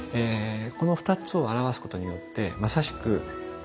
この２つを表すことによってまさしく静と動。